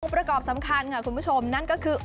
ประกอบสำคัญค่ะคุณผู้ชมนั่นก็คือ